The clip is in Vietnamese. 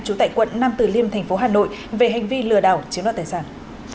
trú tại quận nam từ liêm thành phố hà nội về hành vi lừa đảo chiếm đoạt tài sản